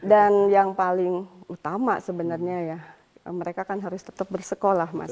dan yang paling utama sebenarnya ya mereka kan harus tetap bersekolah mas